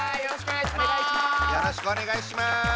よろしくお願いします！